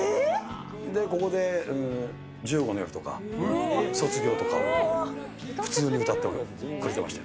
ここで１５の夜とか、卒業とかを普通に歌ってくれてました。